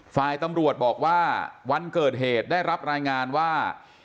ฝ่ายตำรวจบอกว่าวันเกิดเหตุได้รับรายงานว่า